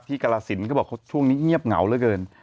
ที่กรสินทร์เขาบอกว่าช่วงนี้เงียบเหงาแล้วเกิน